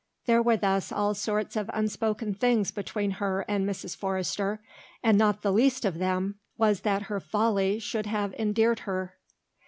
There were thus all sorts of unspoken things between her and Mrs. Forrester, and not the least of them was that her folly should have endeared her.